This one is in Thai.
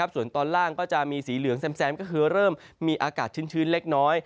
ส่วนตอนล่างก็จะมีสีเหลืองแซมก็คือเริ่มมีอากาศชื้นเล็กน้อย